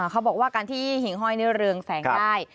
เขาบอกว่าการที่หิ่งห้อยนี่เรืองแสงได้